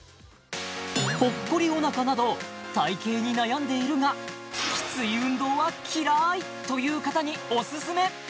ポッコリお腹など体形に悩んでいるがきつい運動は嫌いという方におすすめ！